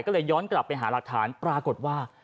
ก็เลยย้อนกลับไปหาหลักฐานปรากฏว่า